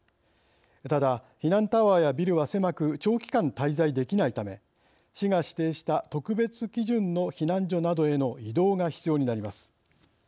ただ、避難タワーやビルは狭く長期間、滞在できないため市が指定した特別基準の避難所などへの移動が必要になります。